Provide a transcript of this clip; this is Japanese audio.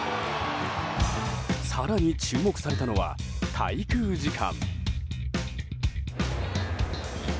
更に注目されたのは、滞空時間。